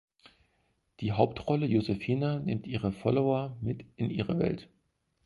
Die Hauptrolle Josephina nimmt ihre Follower mit in ihre Welt.